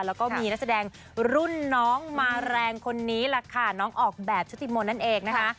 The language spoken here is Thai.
แล้วก็มีนักแสดงรุ่นน้องมาแรงคนนี้แหละค่ะน้องออกแบบชุติมนต์นั่นเองนะคะ